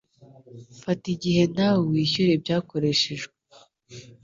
fata igihe nawe wishyure ibyakoreshejwe